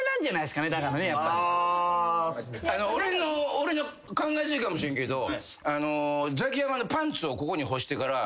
俺の考えすぎかもしれんけど。